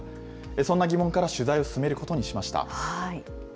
そんな疑問から取材を進めることにしました。